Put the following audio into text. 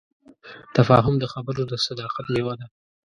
تفاهم د خبرو د صداقت میوه ده.